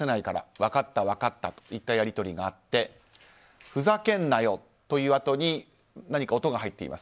分かった、分かったといったやり取りがあってふざけんなよ！というやり取りのあとに何か音が入っています。